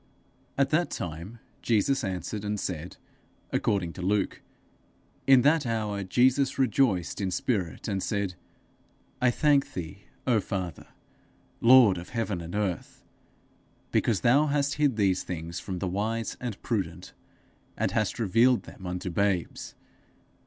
_ At that time Jesus answered and said, according to Luke, In that hour Jesus rejoiced in spirit, and said, 'I thank thee, O Father, Lord of heaven and earth, because thou hast hid these things from the wise and prudent, and hast revealed them unto babes.